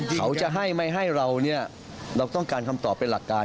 เขาจะให้ไม่ให้เราเนี่ยเราต้องการคำตอบเป็นหลักการ